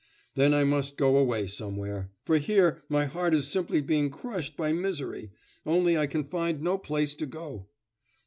'Then I must go away somewhere! For here my heart is simply being crushed by misery; only I can find no place to go.